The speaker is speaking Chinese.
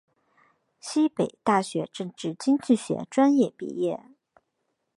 西北大学政治经济学专业毕业。